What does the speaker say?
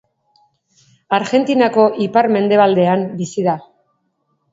Argentinako ipar-mendebaldean bizi da.